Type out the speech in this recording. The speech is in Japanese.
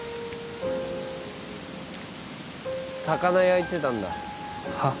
魚焼いてたんだはあ？